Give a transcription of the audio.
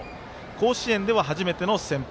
甲子園では初めての先発。